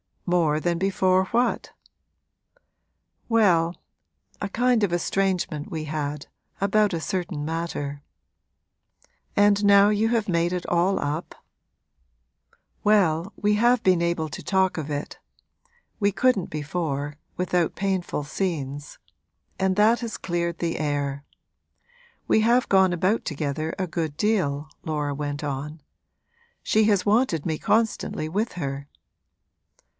'More than before what?' 'Well, a kind of estrangement we had, about a certain matter.' 'And now you have made it all up?' 'Well, we have been able to talk of it (we couldn't before without painful scenes), and that has cleared the air. We have gone about together a good deal,' Laura went on. 'She has wanted me constantly with her.'